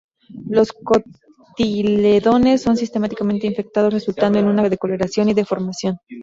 Los cotiledones son sistemáticamente infectados, resultando en una decoloración y deformación.